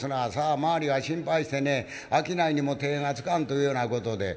「周りは心配してね商いにも手がつかんというようなことで」。